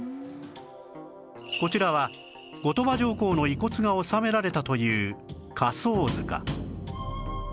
こちらは後鳥羽上皇の遺骨が納められたという火葬塚